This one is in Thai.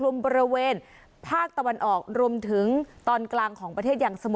โดยการติดต่อไปก็จะเกิดขึ้นการติดต่อไป